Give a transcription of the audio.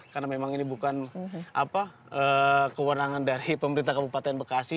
karena memang ini bukan kewenangan dari pemerintah kabupaten bekasi